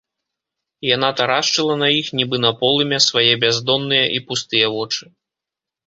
Яна тарашчыла на іх, нібы на полымя, свае бяздонныя і пустыя вочы.